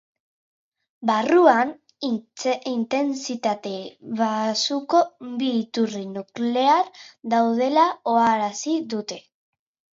Barruan, intentsitate baxuko bi iturri nuklear daudela ohartarazi dute.